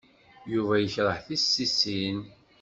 Yuba yekṛeh tissisin.